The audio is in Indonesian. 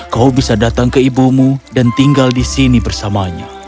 kau bisa datang ke ibumu dan tinggal di sini bersamanya